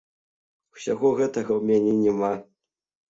Усяго гэтага ў мяне няма.